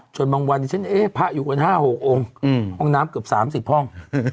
บางวันนี้ฉันเอ๊ะพระอยู่กัน๕๖องค์ห้องน้ำเกือบ๓๐ห้อง